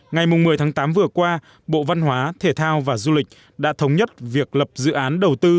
ngày một mươi tháng tám vừa qua bộ văn hóa thể thao và du lịch đã thống nhất việc lập dự án đầu tư